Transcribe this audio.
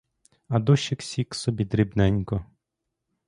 А дощик сік собі дрібненько.